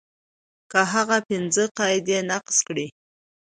که هغه پنځه قاعدې نقض کړي.